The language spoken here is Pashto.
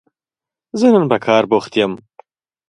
زه نن په کار بوخت يم